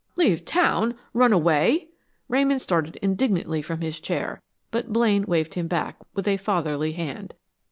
"Leave town? Run away?" Ramon started indignantly from his chair, but Blaine waved him back with a fatherly hand.